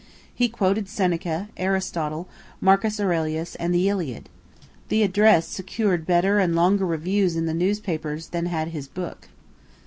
He quoted Seneca, Aristotle, Marcus Aurelius and the "Iliad." The "address" secured better and longer reviews in the newspapers than had his book.